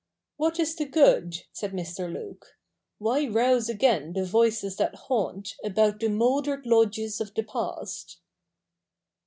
' What is the good ?' said Mr. Luke ;' why rouse again the voices that haunt About the mouldered lodges of the past